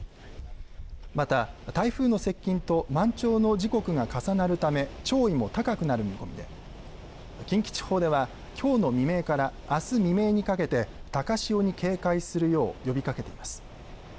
また、台風の接近と満潮の時刻が重なるため潮位も高くなる見込みで近畿地方ではきょうの未明からあす未明にかけて高潮に警戒するよう呼びかけています。